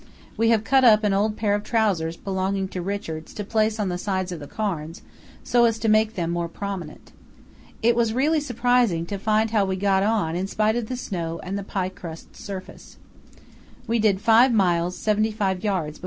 We have cut up an old pair of trousers belonging to Richards to place on the sides of the cairns, so as to make them more prominent. It was really surprising to find how we got on in spite of the snow and the pie crust surface. We did 5 miles 75 yds.